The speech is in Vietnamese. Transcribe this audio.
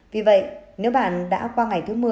vì vậy nếu bạn đã qua ngày thứ một mươi